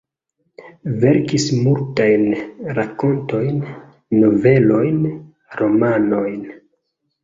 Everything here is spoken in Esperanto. Verkis multajn rakontojn, novelojn, romanojn.